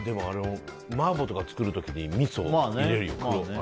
マーボーとか作る時にみそ入れるよ。